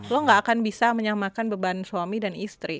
lo gak akan bisa menyamakan beban suami dan istri